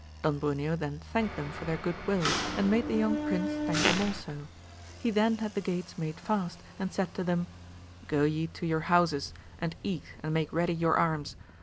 Don Bruneo then thanked them for their good will, and made the young prince thank them also ; he then had the gates made fast, and said to them, Go ye to your houses, and eat, and make ready your arms.